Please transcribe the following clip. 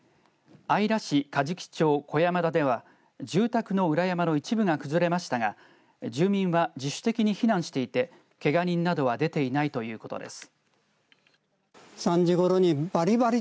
姶良市加治木町小山田では住宅の裏山の一部が崩れましたが住民は自主的に避難していてけが人などは出ていないということです。